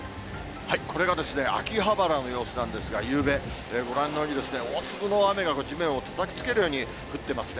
これが秋葉原の様子なんですが、ゆうべ、ご覧のように、大粒の雨が地面をたたきつけるように降ってますね。